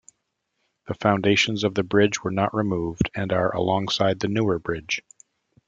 The foundations of the bridge were not removed and are alongside the newer bridge.